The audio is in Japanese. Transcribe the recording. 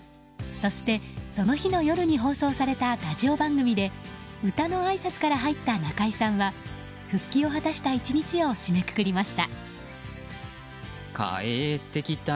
そして、その日の夜に放送されたラジオ番組で歌のあいさつから入った中居さんは復帰を果たした１日を締めくくりました。